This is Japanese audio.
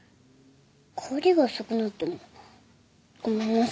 帰りが遅くなったのはごめんなさい。